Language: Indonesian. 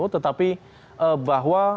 tetapi eee bahwa